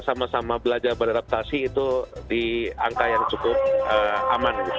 sama sama belajar beradaptasi itu di angka yang cukup aman gitu